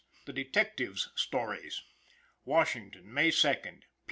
THE DETECTIVES' STORIES. Washington, May 2 P.